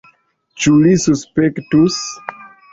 Ĉu li suspektus?